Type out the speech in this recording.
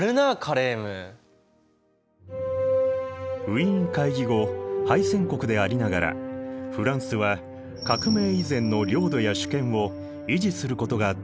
ウィーン会議後敗戦国でありながらフランスは革命以前の領土や主権を維持することができた。